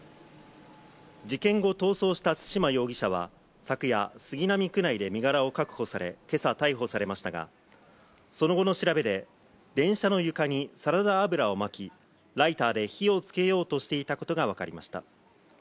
事件後、逃走した對馬容疑者は昨夜、杉並区内で身柄を確保され今朝、逮捕されましたが、その後の調べで電車の床にサラダ油をまきライターで火をつようとしていたことがわかりました。